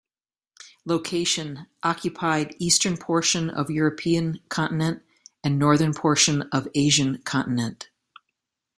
Location: Occupied eastern portion of European continent and northern portion of Asian continent.